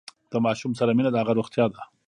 د ماشوم سره مینه د هغه روغتیا ده۔